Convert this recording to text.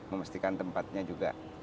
memastikan tempatnya juga